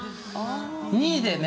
２位でね